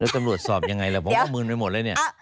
ตำรวจสอบยังไงล่ะผมก็มืนไปหมดเลยเนี่ย